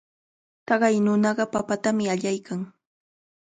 Taqay nunaqa papatami allaykan.